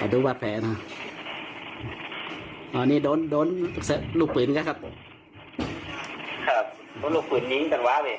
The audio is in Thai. สำหรับเพื่อนักเล่นแต่จะยังต้องการเล่นในท่อดีต